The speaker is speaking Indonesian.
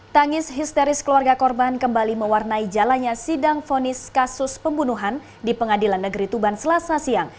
tangis histeris keluarga korban kembali mewarnai jalannya sidang fonis kasus pembunuhan di pengadilan negeri tuban selasa siang